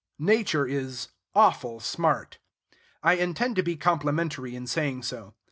Nature is "awful smart." I intend to be complimentary in saying so.